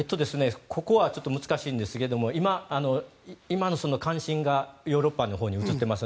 ここは難しいんですが今の関心、ヨーロッパのほうに移っています